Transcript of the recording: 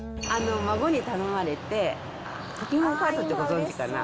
孫に頼まれて、ポケモンカードってご存じかな。